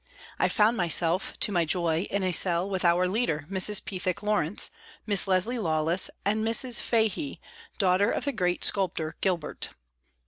I found myself, to my joy, in a cell with our leader, Mrs. Pethick Lawrence, Miss Leslie Lawless and Mrs. Fahey, daughter of the great sculptor Gilbert.